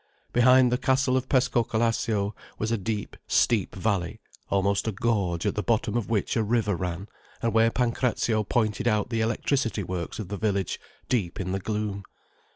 Behind the castle of Pescocalascio was a deep, steep valley, almost a gorge, at the bottom of which a river ran, and where Pancrazio pointed out the electricity works of the village, deep in the gloom.